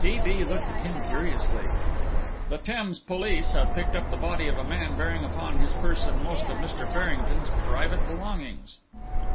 T. B. looked at him curiously. "The Thames police have picked up the body of a man bearing upon his person most of Mr. Farrington's private belongings."